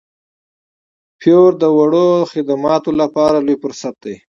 فیور د وړو خدماتو لپاره لوی فرصت دی.